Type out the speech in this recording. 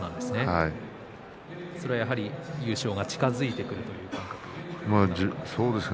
それは優勝が近づいてくるということですか。